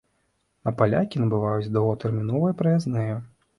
А палякі набываюць доўгатэрміновыя праязныя.